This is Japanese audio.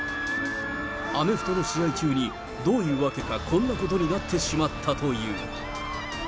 アメフトの試合中に、どういうわけか、こんなことになってしまったという。